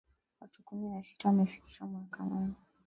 Watu kumi na sita wamefikishwa mahakamani